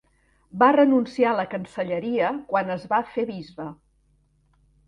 Va renunciar a la cancelleria quan es va fer bisbe.